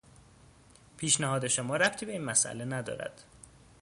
پیشنهاد شما ربطی به این مسئله ندارد.